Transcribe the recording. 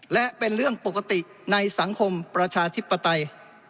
และเป็นเรื่องปกติในสังคมประชาธิปไตย